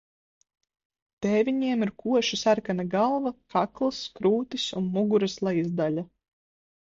Tēviņiem ir koši sarkana galva, kakls, krūtis un muguras lejas daļa.